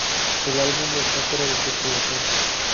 El álbum está fuera de circulación.